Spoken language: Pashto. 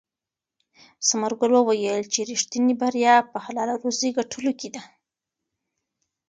ثمرګل وویل چې ریښتینې بریا په حلاله روزي ګټلو کې ده.